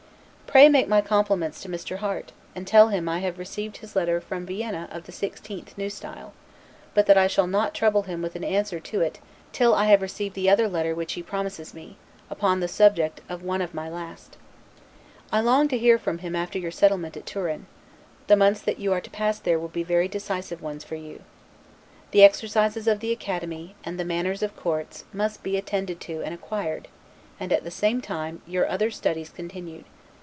Pray make my compliments to Mr. Harte, and tell him I have received his letter from Vienna of the 16th N. S., but that I shall not trouble him with an answer to it till I have received the other letter which he promises me, upon the subject of one of my last. I long to hear from him after your settlement at Turin: the months that you are to pass there will be very decisive ones for you. The exercises of the Academy, and the manners of courts must be attended to and acquired; and, at the same time, your other studies continued.